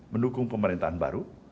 mendukung pemerintahan baru